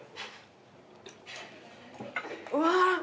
うわ。